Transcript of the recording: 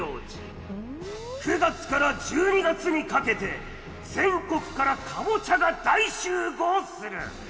９月から１２月にかけて全国からかぼちゃが大集合する。